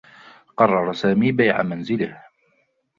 قرّر سامي بيع منزله.